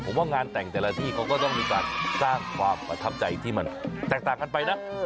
ผมว่างานแต่งแต่ละที่เขาก็ต้องมีการสร้างความประทับใจที่มันแตกต่างกันไปนะ